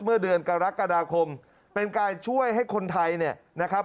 เมื่อเดือนกรกฎาคมเป็นการช่วยให้คนไทยเนี่ยนะครับ